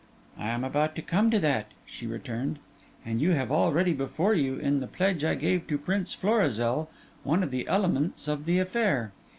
'I am about to come to that,' she returned. 'And you have already before you, in the pledge I gave Prince Florizel, one of the elements of the affair.